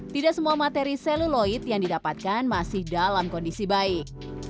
tidak semua materi seluloid yang didapatkan masih dalam kondisi baik